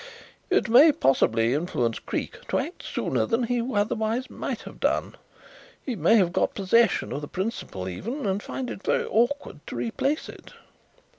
"It may possibly influence Creake to act sooner than he otherwise might have done. He may have got possession of the principal even and find it very awkward to replace it."